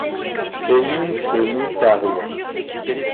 Céline se mit à rire.